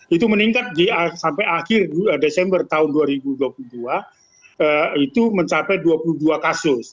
itu meningkat sampai akhir desember tahun dua ribu dua puluh dua itu mencapai dua puluh dua kasus